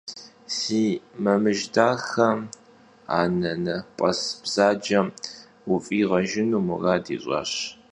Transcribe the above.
Si mamıj daxe, anenep'es bzacem vuf'iğejjıjjınu murad yiş'aş.